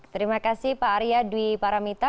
terima kasih pak arya dwi paramita